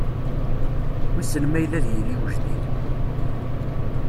Wissen ma yella ad d-yili wejdid.